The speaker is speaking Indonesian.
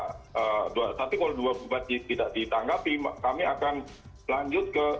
tapi kalau dua debat tidak ditanggapi kami akan lanjut ke